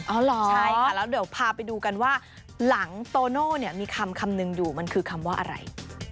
ใช่ค่ะแล้วเดี๋ยวพาไปดูกันว่าหลังโตโน่เนี่ยมีคำคำนึงอยู่มันคือคำว่าอะไร